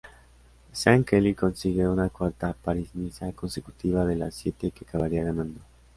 Sean Kelly consigue un cuarta París-Niza consecutiva de las siete que acabaría ganando.